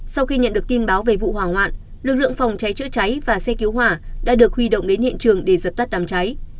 sau khi nhận được tin báo về vụ hỏa hoạn lực lượng phòng cháy chữa cháy và xe cứu hỏa đã được huy động đến hiện trường để dập tắt đám cháy